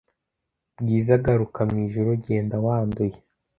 bwiza garuka mwijuru genda wanduye